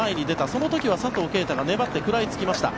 そこでは佐藤圭汰が粘って、食らいつきました。